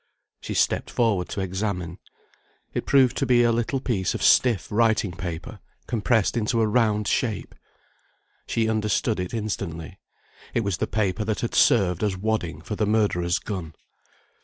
She stepped forward to examine. It proved to be a little piece of stiff writing paper compressed into a round shape. She understood it instantly; it was the paper that had served as wadding for the murderer's gun.